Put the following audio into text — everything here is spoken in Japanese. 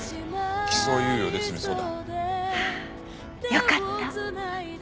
はあよかった。